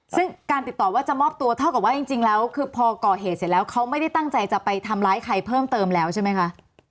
ซึ่งการติดต่อว่าจะมอบตัวเท่ากับว่าจริงแล้วคือพอก่อเหตุเสร็จแล้วเขาไม่ได้ตั้งใจจะไปทำร้ายใครเพิ่มเติมแล้วใช่ไหมคะ